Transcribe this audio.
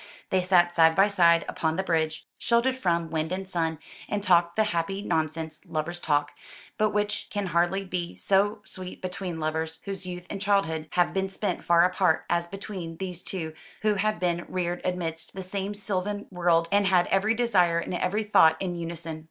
They sat side by side upon the bridge, sheltered from wind and sun, and talked the happy nonsense lovers talk: but which can hardly be so sweet between lovers whose youth and childhood have been spent far apart, as between these two who had been reared amidst the same sylvan world, and had every desire and every thought in unison.